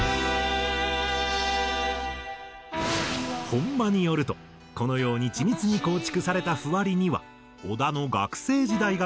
本間によるとこのように緻密に構築された譜割りには小田の学生時代が関係していると推測。